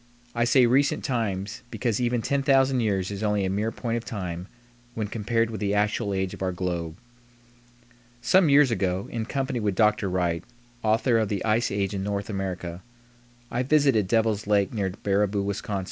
I say recent times, because even 10,000 years is only a mere point of time when compared with the actual age of our globe. Some years ago, in company with Dr. Wright, author of the "Ice Age in North America," I visited Devil's Lake near Baraboo, Wis.